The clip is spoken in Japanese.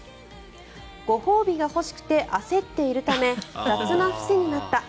ご褒美が欲しくて焦っているため雑な伏せになった。